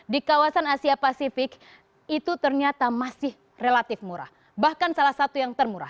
di kawasan asia pasifik itu ternyata masih relatif murah bahkan salah satu yang termurah